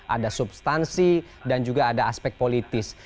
ada substansi dan juga ada aspek politis